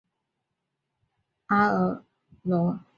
阿尔罗芒谢莱班。